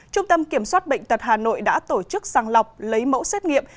trung tâm kiểm soát bệnh tật hà nội đã tổ chức sàng lọc lấy mẫu xét nghiệm